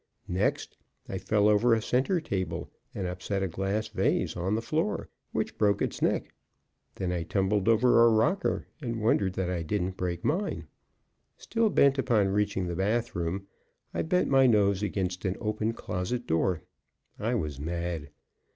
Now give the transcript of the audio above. Next I fell over a center table, and upset a glass vase on the floor, which broke its neck; then I tumbled over a rocker and wondered that I didn't break mine. Still bent upon reaching the bath room, I bent my nose against an opened closet door. I was mad.